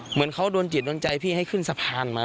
เหมือนเขาโดนจิตโดนใจพี่ให้ขึ้นสะพานมา